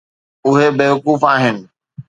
اهي بيوقوف آهن.